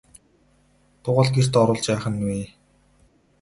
Тугал гэрт оруулж яах нь вэ?